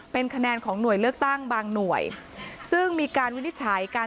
เป็นคะแนนของหน่วยเลือกตั้งบางหน่วยซึ่งมีการวินิจฉัยการ